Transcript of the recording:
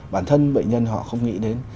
bản thân bệnh nhân họ không nghĩ đến